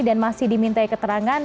dan masih diminta keterangan